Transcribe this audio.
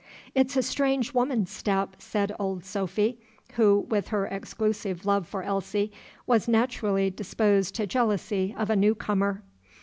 "It's a strange woman's step," said Old Sophy, who, with her exclusive love for Elsie, was naturally disposed to jealousy of a new comer.